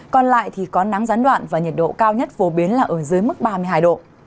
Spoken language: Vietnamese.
còn lại thì có nắng gián đoạn và nhiệt độ cao nhất phổ biến là ở dưới mức ba mươi hai độ